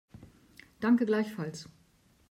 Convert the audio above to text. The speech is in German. Danke, gleichfalls.